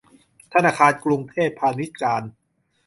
ธนาคารกรุงเทพพาณิชย์การ